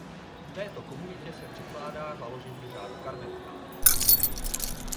Této komunitě se přikládá založení řádu karmelitánů.